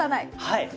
はい！